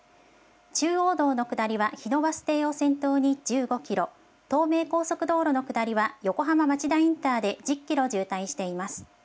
中央道の下りは、日野バス停を先頭に１５キロ、東名高速道路の下りは、横浜町田インターで１０キロ渋滞しています。